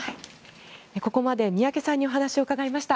ここまで宮家さんにお話を伺いました。